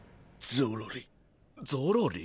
ゾロリ？